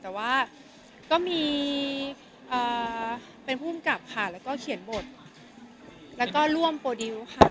แต่ว่าก็มีเป็นผู้กำกับค่ะแล้วก็เขียนบทแล้วก็ร่วมโปรดิวค่ะ